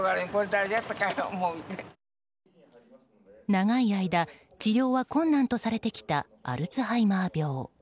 長い間治療は困難とされてきたアルツハイマー病。